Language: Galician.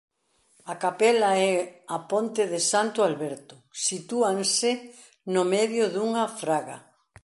A capela e a ponte de Santo Alberte sitúanse no medio dunha fraga.